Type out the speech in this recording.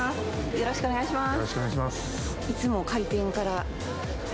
よろしくお願いします。